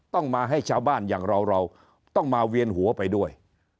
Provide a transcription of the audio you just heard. ต้องมาให้ชาวบ้านอย่างเราเราต้องมาเวียนหัวไปด้วย